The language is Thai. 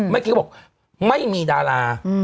ไม่คิดว่าไม่มีดารา